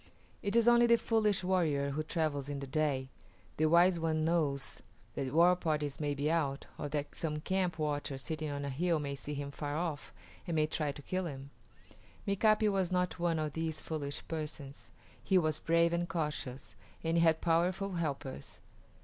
It is only the foolish warrior who travels in the day. The wise one knows that war parties may be out, or that some camp watcher sitting on a hill may see him far off and may try to kill him. Mika´pi was not one of these foolish persons. He was brave and cautious, and he had powerful helpers.